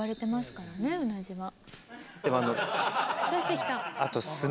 出してきた！